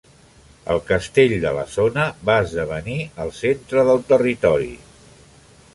El castell de la zona va esdevenir el centre del territori.